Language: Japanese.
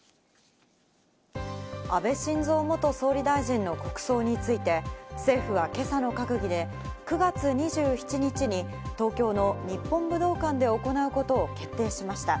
安倍晋三元総理大臣の国葬について、政府は今朝の閣議で、９月２７日に東京の日本武道館で行うことを決定しました。